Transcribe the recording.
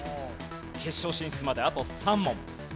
決勝進出まであと３問。